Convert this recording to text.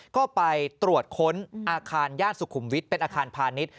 ก็ไปตรวจค้นอาคารย่านสุขุมวิทย์เป็นอาคารพาณิชย